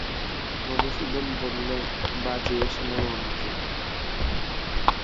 মধুসূদন বললে, বাজিয়ে শোনাও আমাকে।